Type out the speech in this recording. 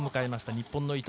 日本の伊藤。